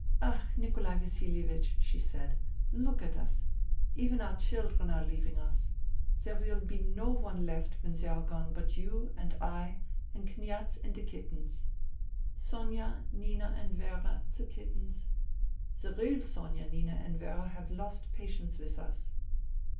" Ach, Nikolai Vasilievich !" she said. " Look at us ! Even our children are leaving us. There will be no one left when they are gone but you and I and Kniaz and the kittens. Sonia, Nina and Vera, the kittenl The real Sonia, Nina and Vera have lost patience with us."